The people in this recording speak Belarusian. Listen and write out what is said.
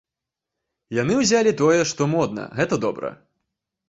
Яны ўзялі тое, што модна, гэта добра.